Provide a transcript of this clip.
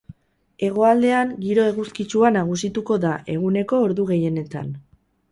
Hegoaldean giro eguzkitsua nagusituko da eguneko ordu gehienetan.